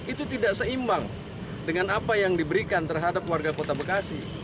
itu tidak seimbang dengan apa yang diberikan terhadap warga kota bekasi